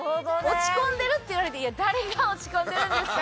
落ち込んでるって言われて誰が落ち込んでるんですか？